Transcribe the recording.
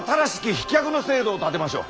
飛脚の制度を立てましょう。